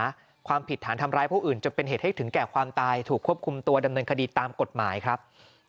ความผิดฐานทำร้ายผู้อื่นจนเป็นเหตุให้ถึงแก่ความตายถูกควบคุมตัวดำเนินคดีตามกฎหมายครับ